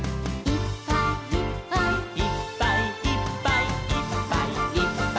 「いっぱいいっぱいいっぱいいっぱい」